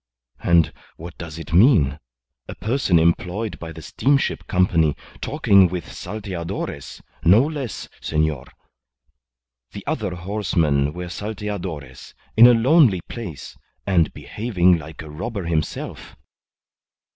And what does it mean? A person employed by the Steamship Company talking with salteadores no less, senor; the other horsemen were salteadores in a lonely place, and behaving like a robber himself!